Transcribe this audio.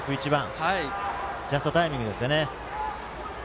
ジャストタイミングですね。